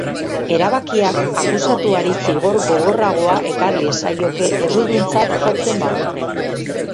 Erabakiak akusatuari zigor gogorragoa ekar liezaioke erruduntzat jotzen badute.